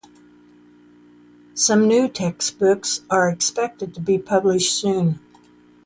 Some new textbooks are expected to be published soon.